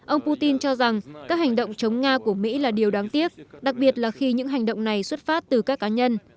ông putin cho rằng các hành động chống nga của mỹ là điều đáng tiếc đặc biệt là khi những hành động này xuất phát từ các cá nhân